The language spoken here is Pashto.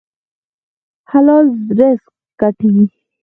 حلال رزق ګټئ